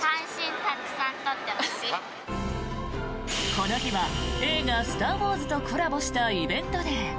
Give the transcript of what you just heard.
この日は映画「スター・ウォーズ」とコラボしたイベントデー。